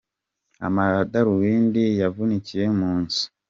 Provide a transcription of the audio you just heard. Amadarubindiye yavunikiye munzu.